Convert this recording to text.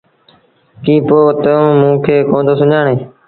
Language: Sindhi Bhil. ڪيٚ پوء با توٚنٚ موٚنٚ کي ڪوندو سُڃآڻي؟